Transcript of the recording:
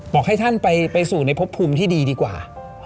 บอกให้ท่านไปสู่ในพบภูมิที่ดีดีกว่า